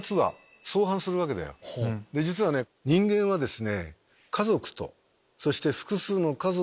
実は人間はですね。